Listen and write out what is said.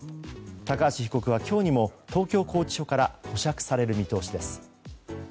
高橋被告は今日にも東京拘置所から保釈される見通しです。